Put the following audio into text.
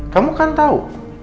kamu kan tahu